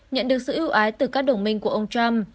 nhận được sự ưu ái từ các đồng minh của ông trump